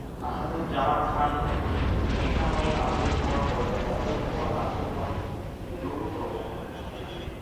আসাদুজ্জামান খান, মিঠামইন আবদুল হক কলেজের অধ্যক্ষ আবদুল হক নুরু প্রমুখ।